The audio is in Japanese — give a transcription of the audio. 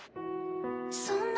そんな。